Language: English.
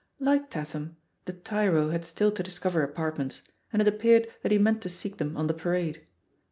Like Tatham, the tyro had still to discover apartments, and it appeared that he meant to seek them on the Parade.